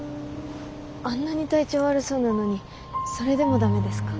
あんなに体調悪そうなのにそれでも駄目ですか？